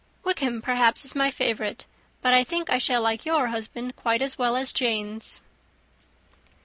"Wickham, perhaps, is my favourite; but I think I shall like your husband quite as well as Jane's."